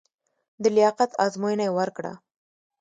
د لیاقت ازموینه یې ورکړه.